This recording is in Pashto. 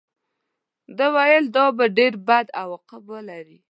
ده ویل دا به ډېر بد عواقب ولري.